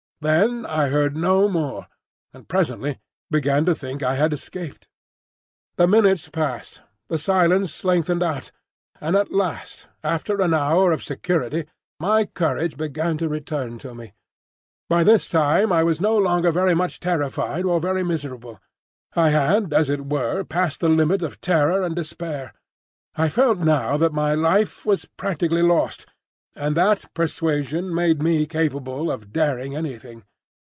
Then I heard no more, and presently began to think I had escaped. The minutes passed; the silence lengthened out, and at last after an hour of security my courage began to return to me. By this time I was no longer very much terrified or very miserable. I had, as it were, passed the limit of terror and despair. I felt now that my life was practically lost, and that persuasion made me capable of daring anything.